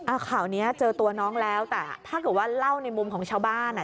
ข่าวเนี้ยเจอตัวน้องแล้วแต่ถ้าเกิดว่าเล่าในมุมของชาวบ้านอ่ะ